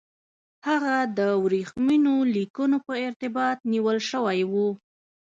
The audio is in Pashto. هغه د ورېښمینو لیکونو په ارتباط نیول شوی وو.